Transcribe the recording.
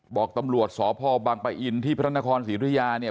บอกตำรวจสพบังปะอินที่พระนครศรีธุยาเนี่ย